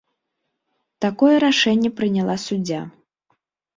Такое рашэнне прыняла суддзя.